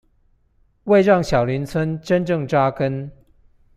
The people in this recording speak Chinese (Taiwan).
為讓小林村真正扎根